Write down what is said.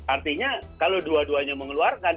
artinya kalau dua duanya mengeluarkan